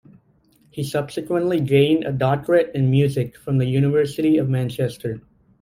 He subsequently gained a doctorate in music from the University of Manchester.